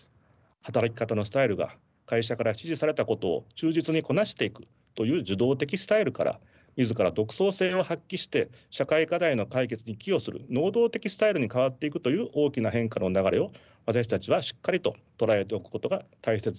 働き方のスタイルが会社から指示されたことを忠実にこなしていくという受動的スタイルから自ら独創性を発揮して社会課題の解決に寄与する能動的スタイルに変わっていくという大きな変化の流れを私たちはしっかりと捉えておくことが大切だと思います。